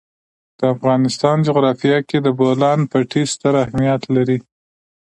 د افغانستان جغرافیه کې د بولان پټي ستر اهمیت لري.